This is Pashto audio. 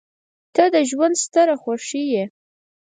• ته د ژونده ستره خوښي یې.